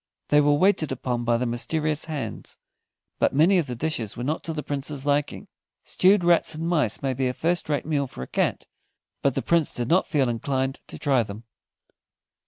They were waited upon by the mysterious hands, but many of the dishes were not to the Prince's liking. Stewed rats and mice may be a first rate meal for a cat, but the Prince did not feel inclined to try them.